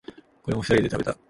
これも二人で食べた。